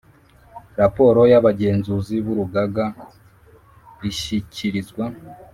Raporo y Abagenzuzi b Urugaga ishyikirizwa